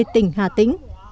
tỉnh hà tĩnh